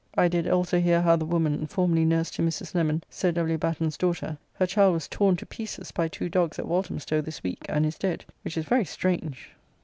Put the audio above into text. I did also hear how the woman, formerly nurse to Mrs. Lemon (Sir W. Batten's daughter), her child was torn to pieces by two doggs at Walthamstow this week, and is dead, which is very strange.